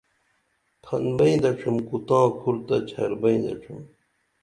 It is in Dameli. پھن بئیں دڇِھم کو تاں کُھر تہ ڇھر بئیں دڇِھم